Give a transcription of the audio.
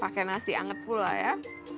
pakai nasi anget pula ya